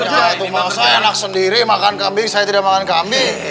ya tuh saya enak sendiri makan kambing saya tidak makan kambing